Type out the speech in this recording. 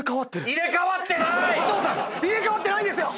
入れ替わってないですよ！